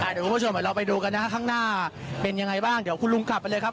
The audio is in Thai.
เดี๋ยวคุณผู้ชมเดี๋ยวเราไปดูกันนะฮะข้างหน้าเป็นยังไงบ้างเดี๋ยวคุณลุงกลับไปเลยครับ